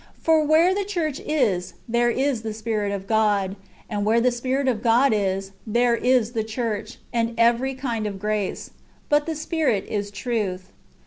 For where the church is, there is the Spirit of God ; and where the Spirit of God is, there is the church, and every kind of grace ; but the Spirit is truth.